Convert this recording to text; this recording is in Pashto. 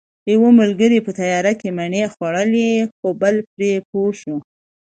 یو ملګری په تیاره کې مڼې خوړلې خو بل پرې پوه شو